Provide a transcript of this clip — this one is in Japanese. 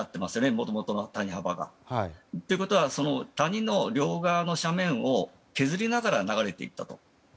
もともとの谷幅が。ということは、谷の両側の斜面を削りながら流れていったと。